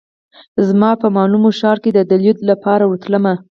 زه به مالمو ښار ته د لیدو لپاره ورتلم.